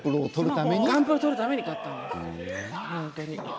ガンプロ撮るために買ったんです。